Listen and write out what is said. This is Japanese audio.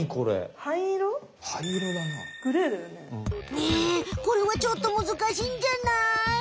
ねえこれはちょっとむずかしいんじゃない？